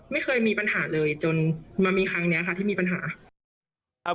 ไม่เคยมีปัญหาเลยจนมามีครั้งนี้ค่ะที่มีปัญหา